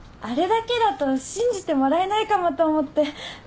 あれだけだと信じてもらえないかもと思って。